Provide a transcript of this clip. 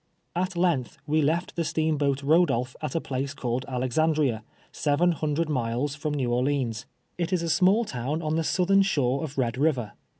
At lenn th we k'ft the steamhoat Ttodolpli at aplaco called Ak'xamlria, several liiiiidrfd miles I'rom New Orleans. It is a small town un the southern shore of lied River.